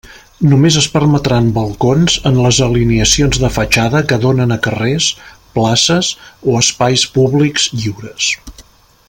Només es permetran balcons en les alineacions de fatxada que donen a carrers, places o espais públics lliures.